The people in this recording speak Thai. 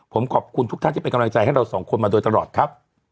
ผมขอบคุณทุกท่านที่เป็นกำลังใจให้เราสองคนมาโดยตลอดครับ